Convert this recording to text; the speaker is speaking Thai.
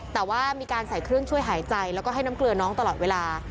แต่ว่ามีการใส่เครื่องช่วยหายใจแล้วก็ให้น้ำเกลือน้องตลอดเวลา